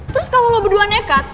terus kalau lo berdua nekat